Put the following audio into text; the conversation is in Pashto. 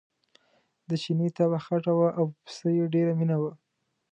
د چیني طبعه خټه وه او په پسه یې ډېره مینه وه.